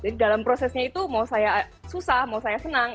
jadi dalam prosesnya itu mau saya susah mau saya senang